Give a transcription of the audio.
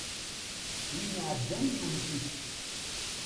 Win iɛeddan yewwet-it.